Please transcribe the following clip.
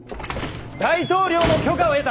大統領の許可を得た！